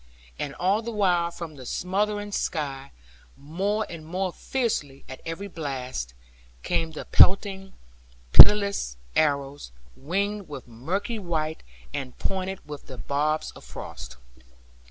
And all the while from the smothering sky, more and more fiercely at every blast, came the pelting, pitiless arrows, winged with murky white, and pointed with the barbs of frost.